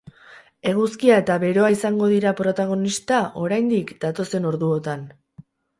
Eguzkia eta beroa izango dira protanista, oraindik, datozen orduotan.